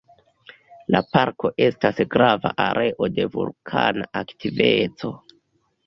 La parko estas grava areo de vulkana aktiveco.